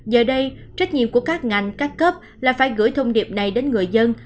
giờ đây trách nhiệm của các ngành các cấp là phải gửi thông điệp này đến người dân